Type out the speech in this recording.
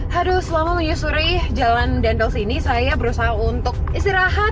haduh selama menyusuri jalan dendels ini saya berusaha untuk istirahat